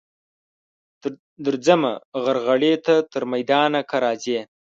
درځمه غرغړې ته تر میدانه که راځې.